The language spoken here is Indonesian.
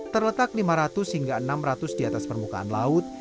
terletak lima ratus hingga enam ratus diatas permukaan laut